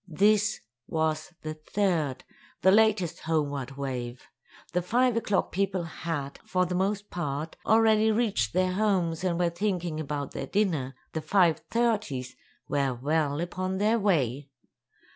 This was the third—the latest homeward wave. The five o'clock people had, for the most part, already reached their homes and were thinking about their dinner; the five thirties were well upon their way.